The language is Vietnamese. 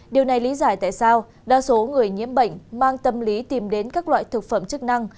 điều này lý giải tại sao đa số người nhiễm bệnh mang tâm lý tìm đến các loại thực phẩm chức năng